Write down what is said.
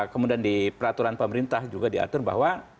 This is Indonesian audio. kemudian di peraturan pemerintah juga diatur bahwa